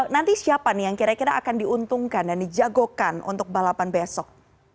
nanti siapa nih yang kira kira akan diuntungkan dan dijagokan untuk balapan besok